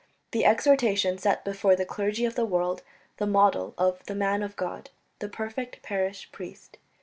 The exhortation set before the clergy of the world the model of "the man of God" the perfect parish priest.